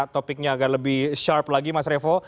topiknya agar lebih sharp lagi mas revo